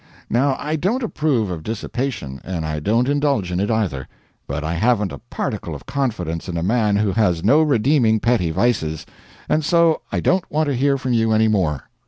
Now I don't approve of dissipation, and I don't indulge in it, either; but I haven't a particle of confidence in a man who has no redeeming petty vices, and so I don't want to hear from you any more.